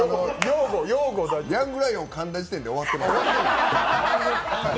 ヤングライオン、かんだ時点で終わってます。